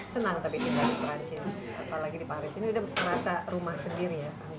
senang tapi tinggal di perancis apalagi di paris ini udah merasa rumah sendiri ya